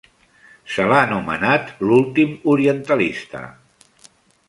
Se l'ha anomenat "l'últim orientalista".